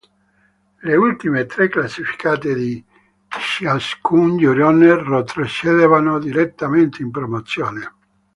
Le ultime tre classificate di ciascun girone retrocedevano direttamente in Promozione.